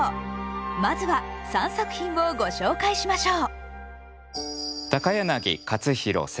まずは三作品をご紹介しましょう。